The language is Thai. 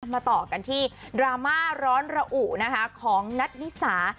มาต่อกันที่ดราม่าร้อนระอุนะคะของนัทนิสา